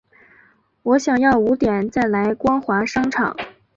我想要五点再来光华商场